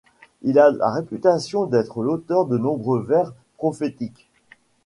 Il a la réputation d'être l'auteur de nombreux vers prophétiques.